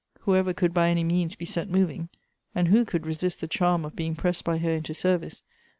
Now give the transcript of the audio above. Whoever could by any means be set moving (and who could resist the charm of being pressed by her into service